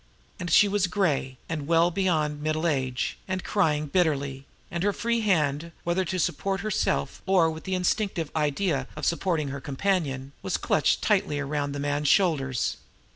And she was gray, and well beyond middle age, and crying bitterly; and her free hand, whether to support herself or with the instinctive idea of supporting her companion, was clutched tightly around the man's shoulders.